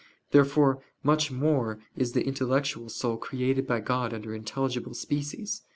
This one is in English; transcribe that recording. Therefore much more is the intellectual soul created by God under intelligible species.